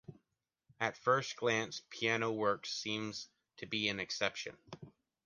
At first glance, "Piano Works" seems to be an exception.